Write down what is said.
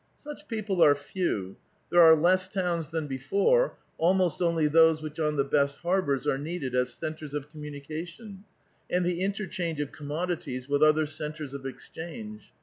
" Such people are few. There are less towns than before — almost only those which on the best harbors are needed as centres of communication, and the interchange of com modities with other centres of exchange.